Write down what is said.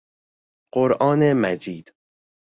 قرآن مجید